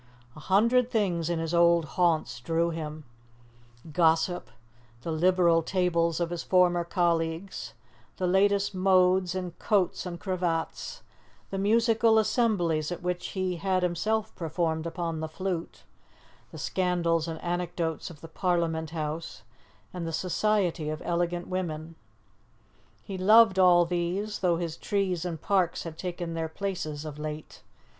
A hundred things in his old haunts drew him: gossip, the liberal tables of his former colleagues, the latest modes in coats and cravats, the musical assemblies at which he had himself performed upon the flute, the scandals and anecdotes of the Parliament House and the society of elegant women. He loved all these, though his trees and parks had taken their places of late.